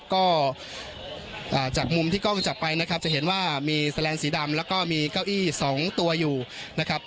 ก็จากมุมที่กล้องจับไปนะครับจะเห็นว่ามีแสลนสีดำแล้วก็มีเก้าอี้๒ตัวอยู่นะครับ